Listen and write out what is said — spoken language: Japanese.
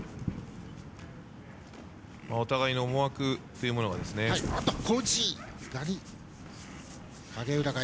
お互いの思惑というものが。